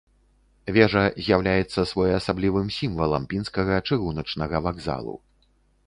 Вежа з'яўляецца своеасаблівым сімвалам пінскага чыгуначнага вакзалу.